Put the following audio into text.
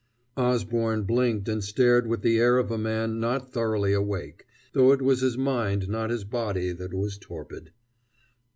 Osborne blinked and stared with the air of a man not thoroughly awake, though it was his mind, not his body, that was torpid.